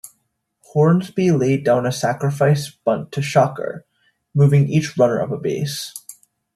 Hornsby laid down a sacrifice bunt to Shocker, moving each runner up a base.